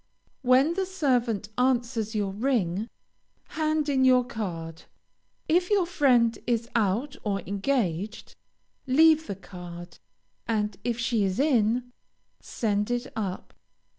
When the servant answers your ring, hand in your card. If your friend is out or engaged, leave the card, and if she is in, send it up.